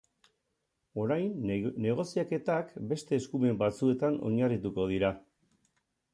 Orain negoziaketak beste eskumen batzuetan oinarrituko dira.